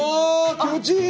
気持ちいい！